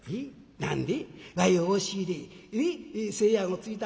「何で？」。